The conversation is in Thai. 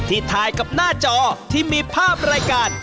ถ่ายกับหน้าจอที่มีภาพรายการ